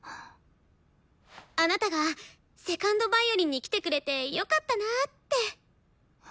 あなたが２ｎｄヴァイオリンに来てくれてよかったなって。